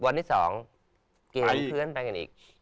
วันที่๒กี่ครั้งเพื่อนไปกันอีก